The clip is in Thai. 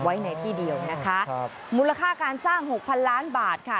ไว้ในที่เดียวนะคะครับมูลค่าการสร้างหกพันล้านบาทค่ะ